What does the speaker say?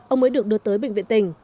ông mới được đưa tới bệnh viện tỉnh